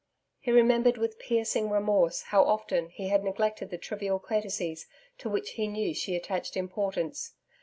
He remembered with piercing remorse how often he had neglected the trivial courtesies to which he knew she attached importance.